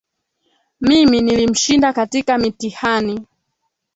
Mimi nilimshinda katika mitihani